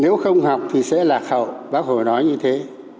nếu không học thì sẽ lạc hậu bác hồ nói như thế